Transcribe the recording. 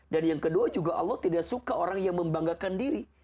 dan yang kedua juga allah tidak suka orang yang membanggakan diri